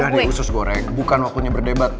udah deh usus goreng bukan waktunya berdebat